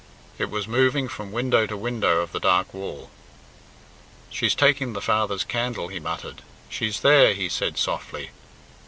It was moving from window to window of the dark wall. "She's taking the father's candle," he muttered. "She's there," he said softly.